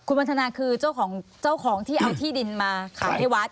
คุณวันทนาคือเจ้าของที่เอาที่ดินมาขายให้วัด